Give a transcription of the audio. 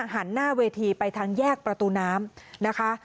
หันหน้าเวทีไปทางแยกประตูน้ำนะคะ